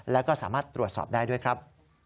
แล้วก็สามารถตรวจสอบได้ด้วยครับ